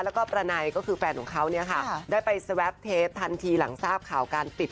แล้วก็ประไนก็คือแฟนของเขาเนี่ยค่ะได้ไปสแวปเทปทันทีหลังทราบข่าวการปิด